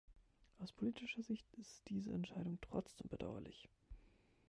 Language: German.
Aus politischer Sicht ist diese Entscheidung trotzdem bedauerlich.